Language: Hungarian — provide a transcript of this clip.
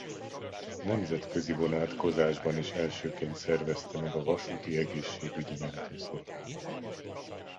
Nemzetközi vonatkozásban is elsőként szervezte meg a vasúti egészségügyi mentőszolgálatot.